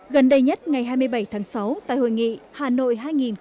gần đây nhất ngày hai mươi bảy tháng sáu tại hội nghị hà nội hai nghìn hai mươi